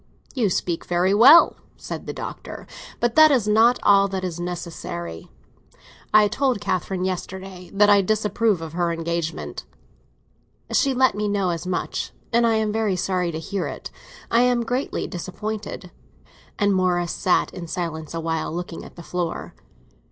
"You speak very well," said the Doctor; "but that is not all that is necessary. I told Catherine yesterday that I disapproved of her engagement." "She let me know as much, and I was very sorry to hear it. I am greatly disappointed." And Morris sat in silence awhile, looking at the floor.